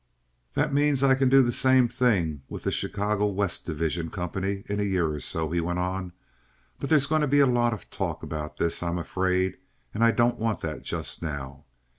"That means that I can do the same thing with the Chicago West Division Company in a year or so," he went on. "But there's going to be a lot of talk about this, I'm afraid, and I don't want that just now.